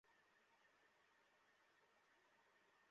আমার নতুন জামা!